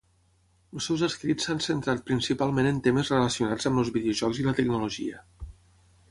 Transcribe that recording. Els seus escrits s'han centrat principalment en temes relacionats amb els videojocs i la tecnologia.